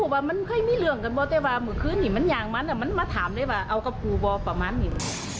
ว่ามันเคยมีเรื่องกันบ่เตว่าเมื่อคืนนี้มันยางมันมันมาถามนี้บ่เอาคือบ่ประมาณนี้